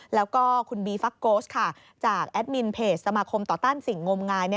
แล้วก็คุณบีฟักโกสจากแอดมินเพจสมาคมต่อต้านสิ่งงมงาย